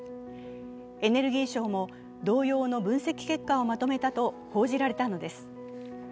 エネルギー省も同様の分析結果をまとめたと報じられたのです。